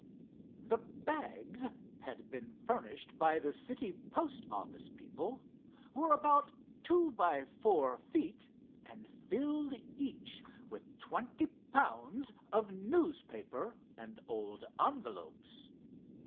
The bags had been furnished by the city post office people, were about two by four feet and filled each with twenty pounds of newspapers and old envelopes.